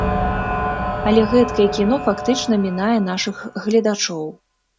Але гэткае кіно фактычна мінае нашых гледачоў.